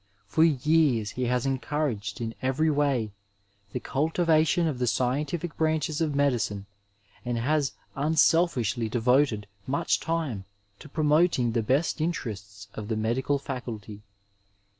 For years he has encouraged in every way the cultivation of the scientific branches of medi cine and has unselfishly devoted much time to promoting the best interests of the Medical Faculty.